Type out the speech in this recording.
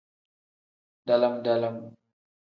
Dalam-dalam.